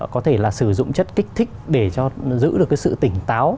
có thể là sử dụng chất kích thích để giữ được cái sự tỉnh táo